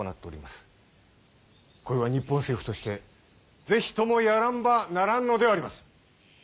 こいは日本政府として是非ともやらんばならんのであります！